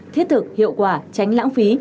thiết thực hiệu quả tránh lãng phí